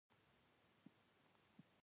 حضرت محمد صلی الله علیه وسلم فرمایلي دي.